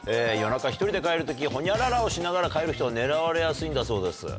夜中１人で帰る時ホニャララをしながら帰る人は狙われやすいんだそうです。